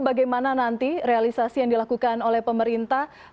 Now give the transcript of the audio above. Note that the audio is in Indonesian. bagaimana nanti realisasi yang dilakukan oleh pemerintah